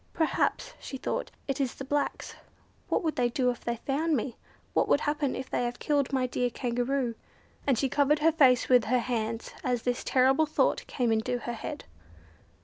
"Perhaps," she thought, "It is the blacks. What would they do if they found me? What will happen if they have killed my dear Kangaroo?" And she covered her face with her hands as this terrible thought came into her head.